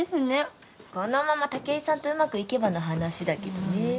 このまま武居さんとうまくいけばの話だけどね。